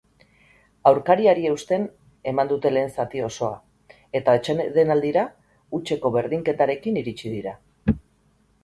Aurkariari eusten eman dute lehen zati osoa eta atsedenaldira hutseko berdinketarekin iritsi dira.